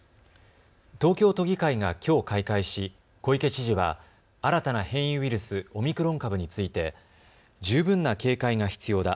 東京都議会がきょう開会し小池知事は新たな変異ウイルス、オミクロン株について十分な警戒が必要だ。